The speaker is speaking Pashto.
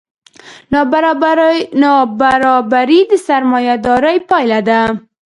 نابرابري د سرمایهدارۍ پایله ده.